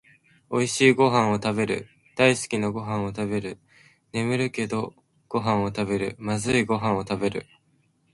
おいしいごはんをたべる、だいすきなごはんをたべる、ねむいけどごはんをたべる、まずいごはんをたべる